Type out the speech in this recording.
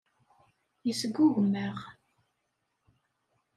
Yesgugem-aɣ.